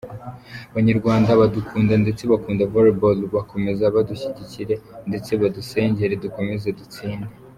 Abanyarwanda badukunda ndetse bakunda Volleyball bakomeze badushyigikire ndetse badusengere dukomeze dutsinde.